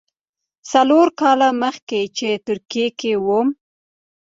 څلور کاله مخکې چې ترکیه کې وم.